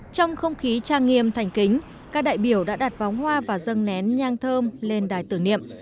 trong không khí trang nghiêm thành kính các đại biểu đã đặt vóng hoa và dân nén nhang thơm lên đài tử niệm